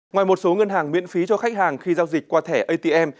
ngoài một số ngân hàng miễn phí cho khách hàng khi giao dịch qua thẻ atm